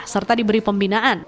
serta diberi pembinaan